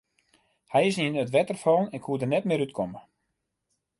Hy is yn it wetter fallen en koe der net mear út komme.